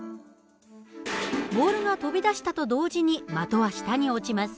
ボールが飛び出したと同時に的は下に落ちます。